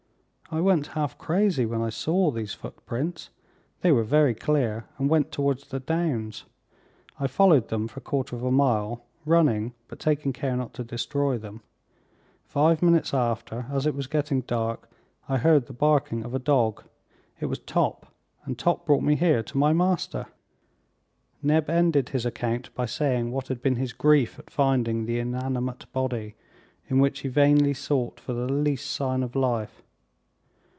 "I went half crazy when I saw these footprints. They were very clear and went towards the downs. I followed them for a quarter of a mile, running, but taking care not to destroy them. Five minutes after, as it was getting dark, I heard the barking of a dog. It was Top, and Top brought me here, to my master!" Neb ended his account by saying what had been his grief at finding the inanimate body, in which he vainly sought for the least sign of life.